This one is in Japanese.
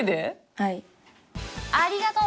はい。